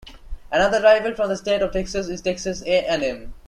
Another rival from the state of Texas is Texas A and M.